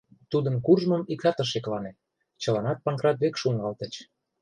Тудын куржмым иктат ыш шеклане, чыланат Панкрат век шуҥгалтыч.